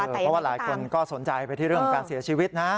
เพราะว่าหลายคนก็สนใจไปที่เรื่องของการเสียชีวิตนะ